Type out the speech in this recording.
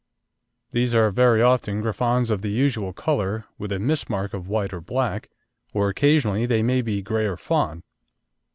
These are very often Griffons of the usual colour, with a mismark of white or black, or occasionally they may be grey or fawn.